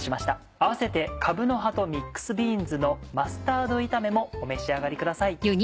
併せて「かぶの葉とミックスビーンズのマスタード炒め」もお召し上がりください。